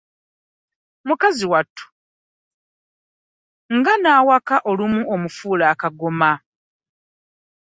Mukazi wattu nga n'awaka olumu amufuula akagoma.